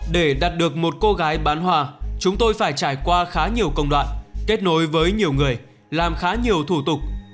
để đạt được một cô gái bán hòa chúng tôi phải trải qua khá nhiều công đoạn kết nối với nhiều người làm khá nhiều thủ tục